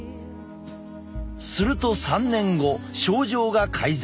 すると３年後症状が改善。